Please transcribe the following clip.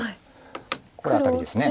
これアタリです。